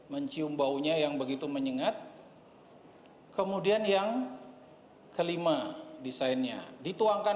mencium baunya yang begitu menyengat kemudian yang kelima desainnya dituangkan